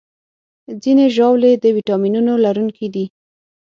ځینې ژاولې د ویټامینونو لرونکي دي.